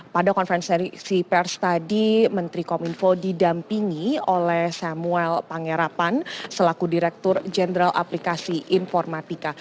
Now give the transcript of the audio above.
pada konferensi pers tadi menteri kominfo didampingi oleh samuel pangerapan selaku direktur jenderal aplikasi informatika